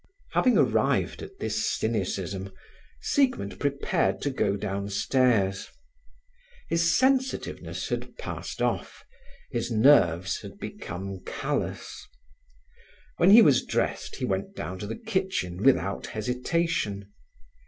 Having arrived at this cynicism, Siegmund prepared to go downstairs. His sensitiveness had passed off; his nerves had become callous. When he was dressed he went down to the kitchen without hesitation.